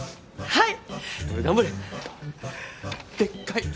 はい！